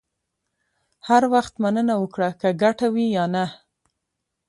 هر وخت مننه وکړه، که ګټه وي یا نه.